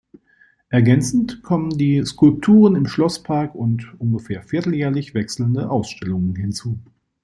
Ergänzend kommen die Skulpturen im Schlosspark und ungefähr vierteljährlich wechselnde Ausstellungen hinzu.